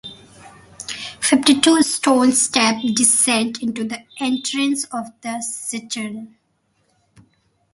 Fifty-two stone steps descend into the entrance of the cistern.